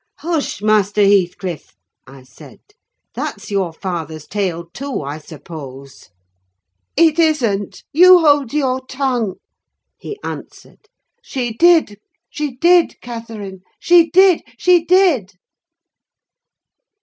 "Hush, Master Heathcliff!" I said; "that's your father's tale, too, I suppose." "It isn't: you hold your tongue!" he answered. "She did, she did, Catherine! she did, she did!"